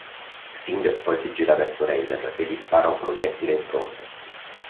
Xing poi si gira verso Reiser e gli spara un proiettile in fronte.